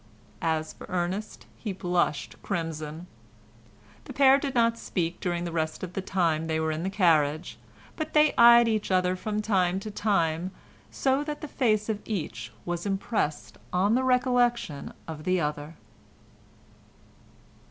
As for Ernest, he blushed crimson. The pair did not speak during the rest of the time they were in the carriage, but they eyed each other from time to time, so that the face of each was impressed on the recollection of the other.